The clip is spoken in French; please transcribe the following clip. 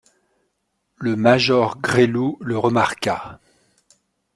Le major Gresloup le remarqua.